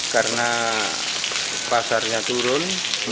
karena pasarnya turun